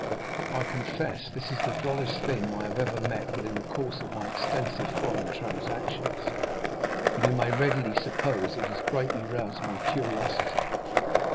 I confess this is the drollest thing I have ever met with in the course of my extensive foreign transactions, and you may readily suppose it has greatly roused my curiosity.